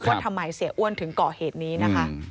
ว่าทำไมเสียอ้วนถึงก่อเหตุนี้นะคะ